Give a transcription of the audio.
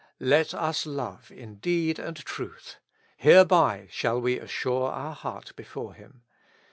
Let us love in deed and truth ; hereby shall we assure our heart before Him.